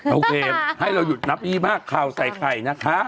โอเคให้เราหยุดนับอี้มากข่าวใส่ไข่นะคะ